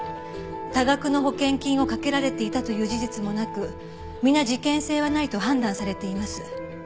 多額の保険金を掛けられていたという事実もなく皆事件性はないと判断されています。